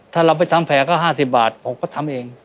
ถ้าเราไปทำแผลก็๕๐บาทผมก็ทำเอง